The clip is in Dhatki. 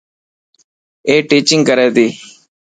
اي ٽيچنگ ڪري تي.